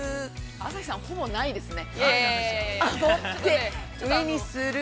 朝日さん、ほぼないですね。